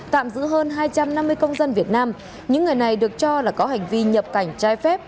tạm giữ hơn hai trăm năm mươi công dân việt nam những người này được cho là có hành vi nhập cảnh trái phép